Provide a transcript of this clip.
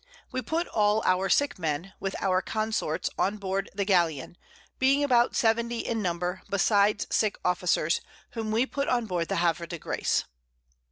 We put all our sick Men, with our Consort's on board the Galeon, being about 70 in Number, besides sick Officers, whom we put on board the Havre de Grace.